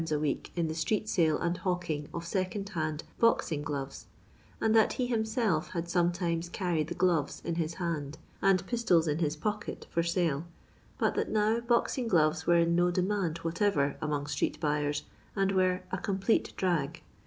a week in the street sale and hawking of second hand boxing gloves, and that he himself had sometimes carried the ' gloves ' in his hand, and pistoU in his pocket for sale, but that now boxing gloves were in no de mand whatever among street buyers, and were 'a complete drug.'